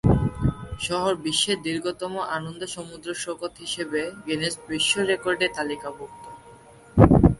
শহর বিশ্বের দীর্ঘতম আনন্দ সমুদ্র সৈকত হিসাবে গিনেস বিশ্ব রেকর্ডে তালিকাভুক্ত।